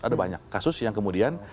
ada banyak kasus yang kemudian